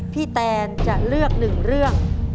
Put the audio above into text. แตนจะเลือกหนึ่งเรื่อง